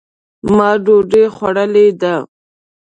ما ډوډۍ خوړلې ده